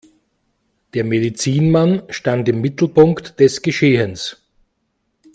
Der Medizinmann stand im Mittelpunkt des Geschehens.